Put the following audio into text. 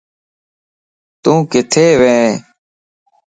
تون ڪٿي وي